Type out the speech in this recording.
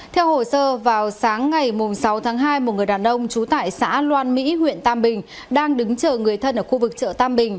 theo hồ sơ vào sáng ngày sáu tháng hai một người đàn ông trú tại xã loan mỹ huyện tam bình đang đứng chờ người thân ở khu vực chợ tam bình